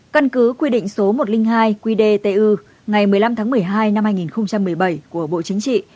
căn cứ quy định số một trăm linh hai qdtu ngày một mươi năm tháng một mươi hai năm hai nghìn một mươi bảy của bộ chính trị